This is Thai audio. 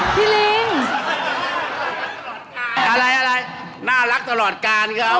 พี่ลิ้งอะไรน่ารักตลอดกาลครับ